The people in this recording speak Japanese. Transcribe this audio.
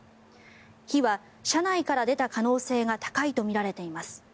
火は車内から出た可能性が高いとみられています。